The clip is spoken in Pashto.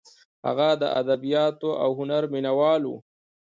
هغه د ادبیاتو او هنر مینه وال و.